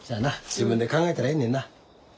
自分で考えたらええねんな。